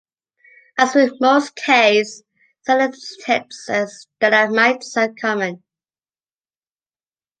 As with most caves, stalactites and stalagmites are common.